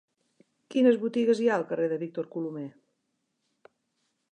Quines botigues hi ha al carrer de Víctor Colomer?